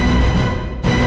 nih ga ada apa apa